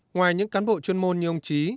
ngoài những cán bộ chuyên môn như ông trí